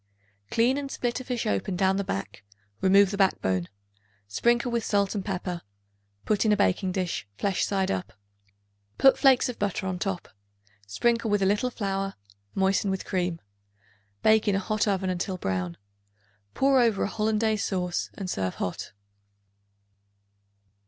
Clean and split a fish open down the back; remove the backbone; sprinkle with salt and pepper; put in a baking dish, flesh side up. Put flakes of butter on top; sprinkle with a little flour; moisten with cream. Bake in a hot oven until brown. Pour over a Hollandaise sauce and serve hot.